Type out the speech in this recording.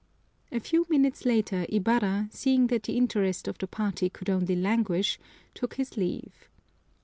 A few minutes later Ibarra, seeing that the interest of the party could only languish, took his leave.